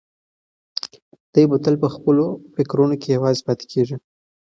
دی به تل په خپلو فکرونو کې یوازې پاتې کېږي.